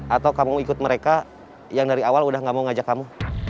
atau kamu ikut mereka yang dari awal udah gak mau ngajak kamu